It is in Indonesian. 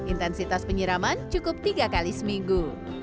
intensitas penyiraman cukup tiga kali seminggu